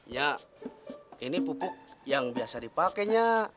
ya ini pupuk yang biasa dipakainya